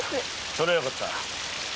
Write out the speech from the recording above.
そりゃよかった。